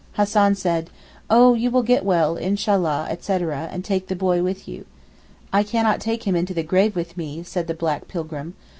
Hassan said, 'Oh you will get well Inshallah, etc., and take the boy with you.' 'I cannot take him into the grave with me,' said the black pilgrim.